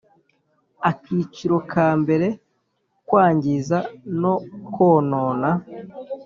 Akiciro ka mbere Kwangiza no konona